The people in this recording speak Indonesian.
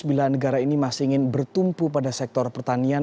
bila negara ini masih ingin bertumpu pada sektor pertanian